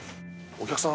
お客さん